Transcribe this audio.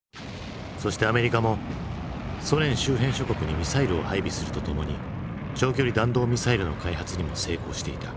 そしてアメリカもソ連周辺諸国にミサイルを配備するとともに長距離弾道ミサイルの開発にも成功していた。